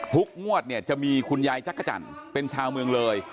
งวดเนี่ยจะมีคุณยายจักรจันทร์เป็นชาวเมืองเลย